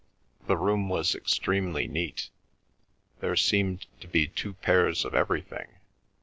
The room was extremely neat. There seemed to be two pairs of everything.